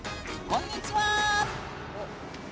こんにちは。